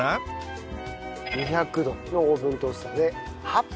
２００度のオーブントースターで８分。